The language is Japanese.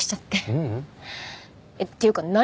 ううん。っていうか何？